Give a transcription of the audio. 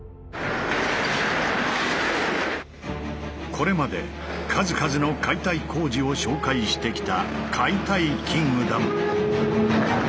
これまで数々の解体工事を紹介してきた「解体キングダム」。